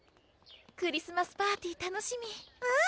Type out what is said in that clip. クリスマスパーティ楽しみうん！